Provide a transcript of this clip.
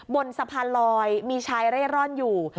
บนสะพานลอยมีชายเร่ร่อนอยู่